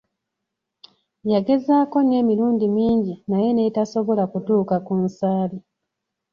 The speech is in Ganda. Yagezaako nnyo emirundi mingi, naye n'etasobola kutuuka ku nsaali.